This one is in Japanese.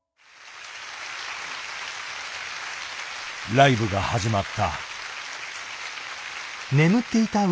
ライブが始まった。